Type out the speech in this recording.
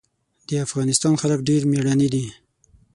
د افغانستان خلک ډېر مېړني دي.